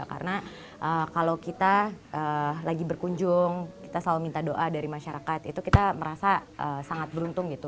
karena kalau kita lagi berkunjung kita selalu minta doa dari masyarakat itu kita merasa sangat beruntung gitu